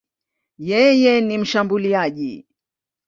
Yeye ni mshambuliaji.